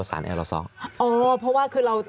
สามารถรู้ได้เลยเหรอคะ